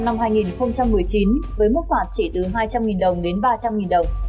nghị định số một trăm linh năm hai nghìn một mươi chín với mức phạt chỉ từ hai trăm linh đồng đến ba trăm linh đồng